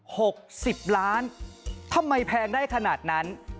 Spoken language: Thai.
หกสิบล้านทำไมแพงได้ขนาดนั้น